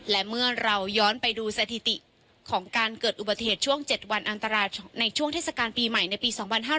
และเมื่อเราย้อนไปดูสถิติของการเกิดอุบัติเหตุช่วง๗วันอันตรายในช่วงเทศกาลปีใหม่ในปี๒๕๕๙